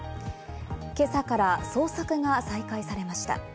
今朝から捜索が再開されました。